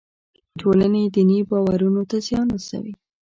ټولنې دیني باورونو ته زیان رسوي.